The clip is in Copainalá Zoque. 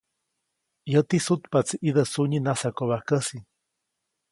Yäti sutpaʼtsi ʼidä sunyi najsakobajkäsi.